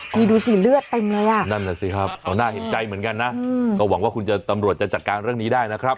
นี่ดูสิเลือดเต็มเลยอ่ะนั่นน่ะสิครับเอาน่าเห็นใจเหมือนกันนะก็หวังว่าคุณจะตำรวจจะจัดการเรื่องนี้ได้นะครับ